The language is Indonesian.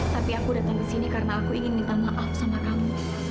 tapi aku datang ke sini karena aku ingin minta maaf sama kamu